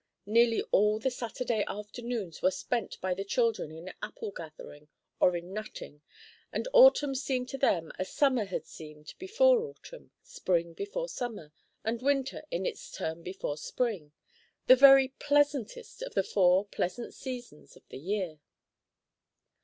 Nearly all the Saturday afternoons were spent by the children in apple gathering or in nutting, and autumn seemed to them as summer had seemed before autumn, spring before summer, and winter in its turn before spring, the very pleasantest of the four pleasant seasons of the year.